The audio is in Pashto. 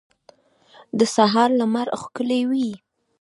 د سهار لمر ښکلی وي.